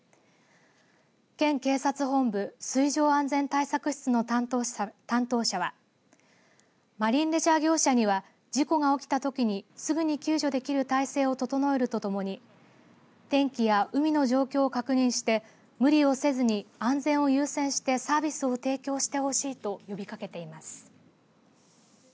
県警察本部水上安全対策室の担当者はマリンレジャー業者には事故が起きたときに、すぐに救助できる体制を整えるとともに天気や海の状況を確認して無理をせずに安全を優先してサービスを提供してほしいと呼びかけています。